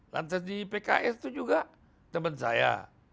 lantas di pks itu juga teman saya